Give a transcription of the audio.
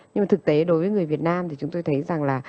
nhưng mà thực tế đối với người việt nam thì chúng tôi thấy rằng là